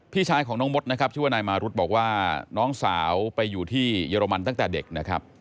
พี่ชายของน้องมดนะครับชื่อว่านายมารุธบอกว่าน้องสาวไปอยู่ที่เยอรมันตั้งแต่เด็กนะครับ